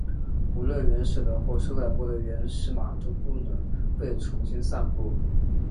无论原始的或修改过的原始码都不能被重新散布。